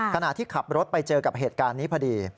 ขณะที่ขับรถไปเจอกับเหตุการณ์นี้พอดี